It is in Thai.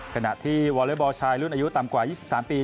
ขณะที่วอเล็กบอลชายรุ่นอายุต่ำกว่า๒๓ปี